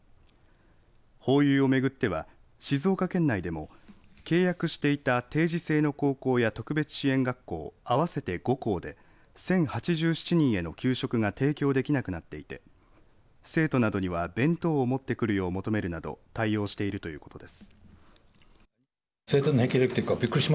ホーユーを巡っては静岡県内でも契約していた定時制の高校や特別支援学校合わせて５校で１０８７人への給食が提供できなくなっていて生徒などには弁当を持ってくるよう求めるなど対応しているということです。